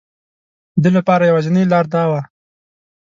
ده لپاره یوازینی لاره دا وه.